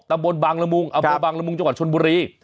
ตำบลบางรมุงจังหวัดชนบุรี